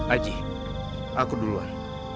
aji aku duluan